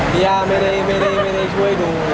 ย่าไม่ได้ช่วยดู